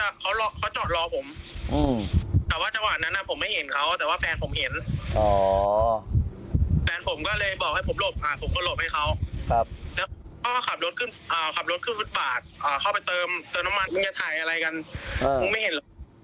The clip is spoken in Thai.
เขาก็ขับรถขึ้นฟาร์ดเข้าไปเติมน้ำมัน